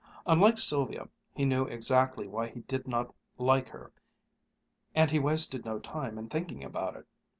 Unlike Sylvia he knew exactly why he did not like her and he wasted no time in thinking about it.